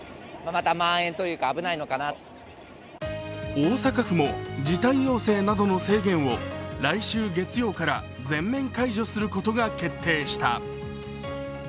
大阪府も時短要請などの制限を来週月曜から全面解除することが決定した。